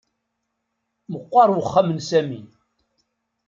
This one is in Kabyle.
Meqqer uxxam n Sami